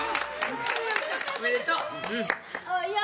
おめでとう。